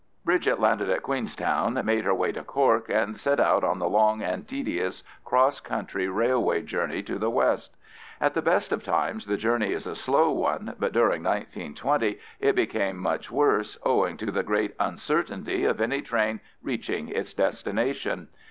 Bridget landed at Queenstown, made her way to Cork, and set out on the long and tedious cross country railway journey to the west. At the best of times the journey is a slow one, but during 1920 it became much worse owing to the great uncertainty of any train reaching its destination.